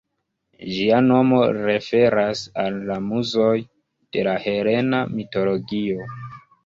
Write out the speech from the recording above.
Ĝia nomo referas al la Muzoj de la helena mitologio.